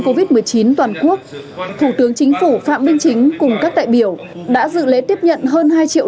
covid một mươi chín toàn quốc thủ tướng chính phủ phạm minh chính cùng các đại biểu đã dự lễ tiếp nhận hơn hai triệu